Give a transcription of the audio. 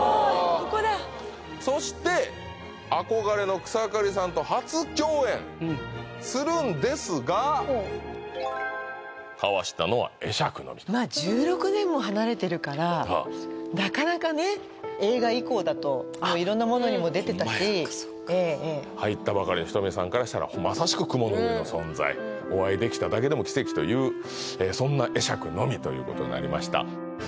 ここだそして憧れの草刈さんと初共演するんですがまぁ１６年も離れてるからなかなかね映画以降だともういろんなものにも出てたし入ったばかりの仁美さんからしたらまさしく雲の上の存在お会いできただけでも奇跡というそんな会釈のみということになりました